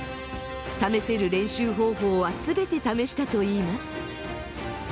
試せる練習方法は全て試したといいます。